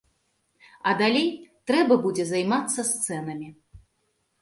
А далей трэба будзе займацца сценамі.